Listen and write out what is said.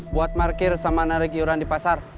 buat parkir sama narik iuran di pasar